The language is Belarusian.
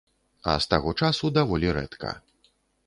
А з таго часу даволі рэдка.